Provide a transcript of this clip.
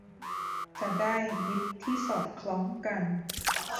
จะได้มิตรที่สอดคล้องกัน